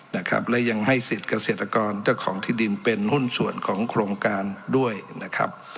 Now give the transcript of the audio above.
นะครับและยังให้สิทธิ์เกษตรกรเจ้าของที่ดินเป็นหุ้นส่วนของโครงการด้วยนะครับ